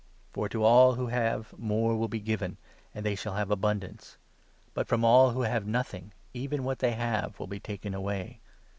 For, to all who have, more will be given, and they shall 12 have abundance ; but, from all who have nothing, even what they have will be taken away.